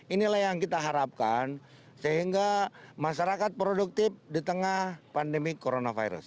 inilah yang kita harapkan sehingga masyarakat produktif di tengah pandemi coronavirus